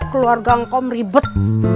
keluarga ngkom ribet